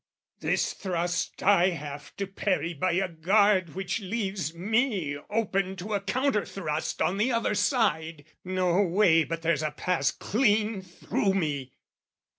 "This thrust I have to parry by a guard "Which leaves me open to a counter thrust "On the other side, no way but there's a pass "Clean through me.